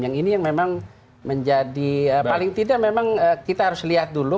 yang ini yang memang menjadi paling tidak memang kita harus lihat dulu